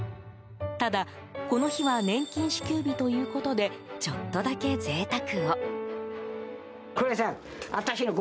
ただ、この日は年金支給日ということでちょっとだけ贅沢を。